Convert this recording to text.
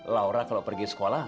laura kalau pergi sekolah